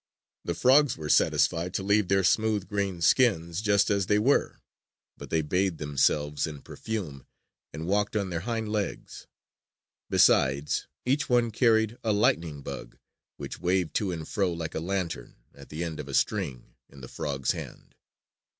The frogs were satisfied to leave their smooth green skins just as they were; but they bathed themselves in perfume and walked on their hind legs. Besides, each one carried a lightning bug, which waved to and fro like a lantern, at the end of a string in the frog's hand.